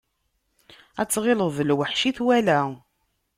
Ad tɣileḍ d lweḥc i twala.